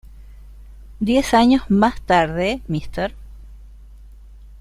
Diez años más tarde, Mr.